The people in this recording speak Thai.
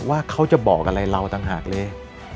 ว่าเขาจะบอกอะไรเราต่างหากเลย